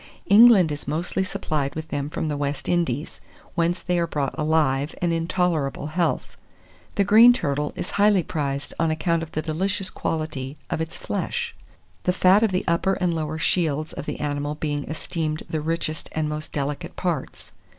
England is mostly supplied with them from the West Indies, whence they are brought alive and in tolerable health. The green turtle is highly prized on account of the delicious quality of its flesh, the fat of the upper and lower shields of the animal being esteemed the richest and most delicate parts.